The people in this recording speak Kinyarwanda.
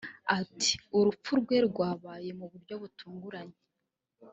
Ati “Urupfu rwe rwabaye mu buryo butunguranye